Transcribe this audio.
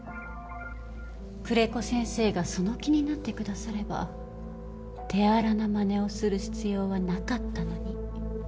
久連木先生がその気になってくだされば手荒なまねをする必要はなかったのに。